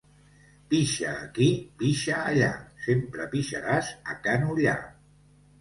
Pixa aquí, pixa allà, sempre pixaràs a Can Ullà.